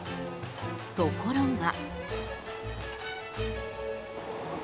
ところが。